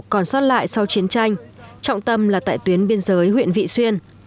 còn sót lại sau chiến tranh trọng tâm là tại tuyến biên giới huyện vị xuyên